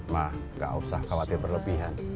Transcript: mah gak usah khawatir berlebihan